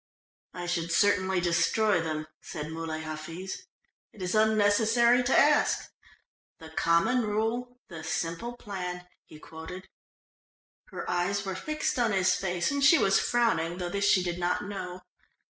"I should certainly destroy them," said Muley Hafiz. "It is unnecessary to ask. 'The common rule, the simple plan'" he quoted. Her eyes were fixed on his face, and she was frowning, though this she did not know.